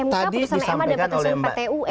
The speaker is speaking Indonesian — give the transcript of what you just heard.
jadi putusan mk putusan ma dan putusan pt un